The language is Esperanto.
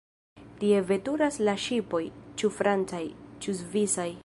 Tie veturas la ŝipoj, ĉu francaj, ĉu svisaj.